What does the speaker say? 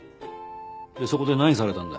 でそこで何されたんだ？